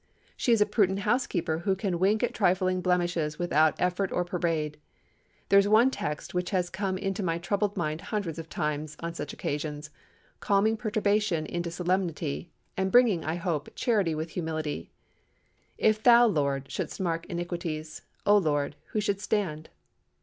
She is a prudent housekeeper who can wink at trifling blemishes without effort or parade. There is one text which has come into my troubled mind hundreds of times on such occasions, calming perturbation into solemnity, and bringing, I hope, charity with humility— "If Thou, Lord, shouldst mark iniquities, O Lord, who shall stand?"